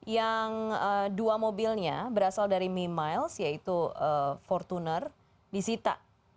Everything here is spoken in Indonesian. yang dua mobilnya berasal dari memiles yaitu fortuner di sita